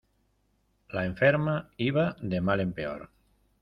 La enferma iba de mal en peor.